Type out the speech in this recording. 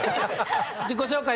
自己紹介